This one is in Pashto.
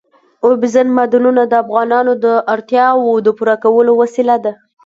اوبزین معدنونه د افغانانو د اړتیاوو د پوره کولو وسیله ده.